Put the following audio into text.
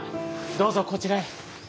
どうぞこちらへ。